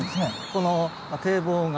この堤防が。